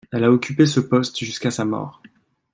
Elle a occupé ce poste jusqu'à sa mort.